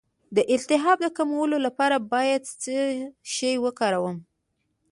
د التهاب د کمولو لپاره باید څه شی وکاروم؟